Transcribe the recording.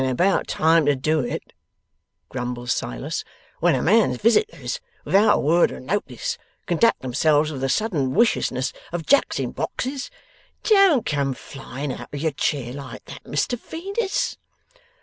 'And about time to do it,' grumbles Silas, 'when a man's visitors, without a word of notice, conduct themselves with the sudden wiciousness of Jacks in boxes! Don't come flying out of your chair like that, Mr Venus!